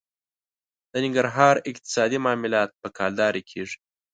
د ننګرهار اقتصادي معاملات په کلدارې کېږي.